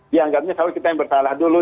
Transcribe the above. dianggapnya kalau kita yang bersalah dulu